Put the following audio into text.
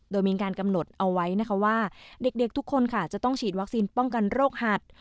โดยมีการกำหนดเอาไว้นะคะว่าเด็กทุกคนค่ะจะต้องฉีดวัคซีนป้องกันโรคหัด